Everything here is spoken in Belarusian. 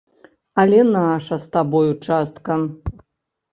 Але наша з табою частка.